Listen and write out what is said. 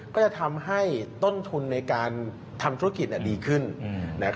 ก็จะทำให้ต้นทุนในการทำธุรกิจดีขึ้น